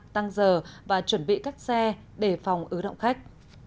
tăng giờ và chuẩn bị các xe để phòng ứ động khách